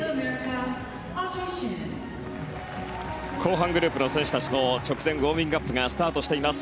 後半グループの選手たちの直前ウォーミングアップがスタートしています。